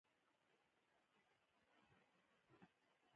ښوونځی د ژوند تمرین دی